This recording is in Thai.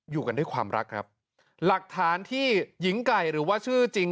อยู่กันด้วยความรักครับหลักฐานที่หญิงไก่หรือว่าชื่อจริง